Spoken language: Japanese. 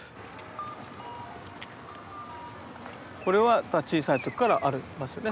これは小さい時からありますよね。